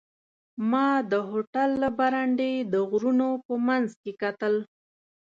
ما د هوټل له برنډې د غرونو په منځ کې کتل.